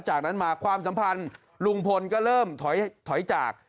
จากนั้นมาความสัมพันธ์ลุงพลก็เริ่มถอยจาก